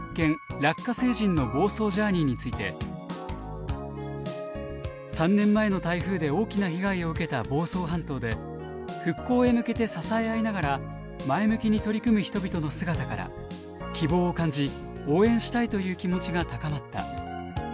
ラッカ星人の房総ジャーニー」について「３年前の台風で大きな被害を受けた房総半島で復興へ向けて支え合いながら前向きに取り組む人々の姿から希望を感じ応援したいという気持ちが高まった」